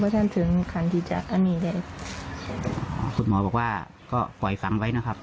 ท่านถึงคันที่จะอันนี้เลยคุณหมอบอกว่าก็ปล่อยฝังไว้นะครับ